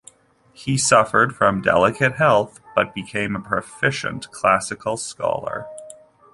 He suffered from delicate health but became a proficient classical scholar.